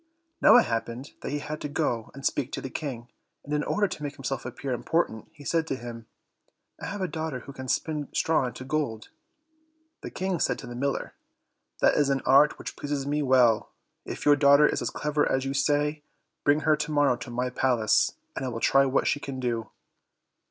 Now it happened that he had to go and speak to the King, and in order to make himself appear important he said to him, "I have a daughter who can spin straw into gold." The King said to the miller, "That is an art which pleases me well; if your daughter is as clever as you say, bring her to morrow to my palace, and I will try what she can do."